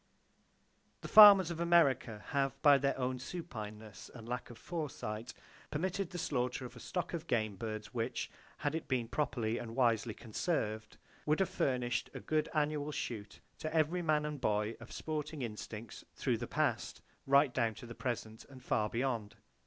The farmers of America have, by their own supineness and lack of foresight, permitted the slaughter of a stock of game birds which, had it been properly and wisely conserved, would have furnished a good annual shoot to every farming man and boy of sporting instincts through the past, right down to the present, and far beyond.